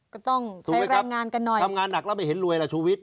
ก็ต้องใช้รางงานกันหน่อยถูกไหมครับทำงานหนักแล้วไม่เห็นรวยแล้วชุวิต